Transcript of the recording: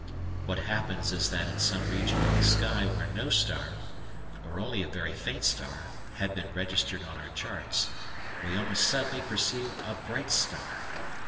What happens is that in some region of the sky where no star, or only a very faint star, had been registered on our charts, we almost suddenly perceive a bright star.